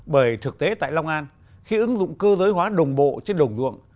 bởi thực tế tại long an khi ứng dụng cơ giới hóa đồng bộ trên đồng ruộng